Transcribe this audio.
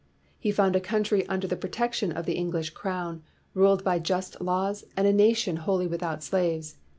He found a country un der the protection of the English crown, ruled by just laws, and a nation wholly without slaves.